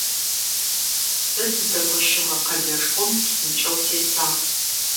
Сэ сыздэкощыгъэ къэлэшхом псынкӀэу сесагъ.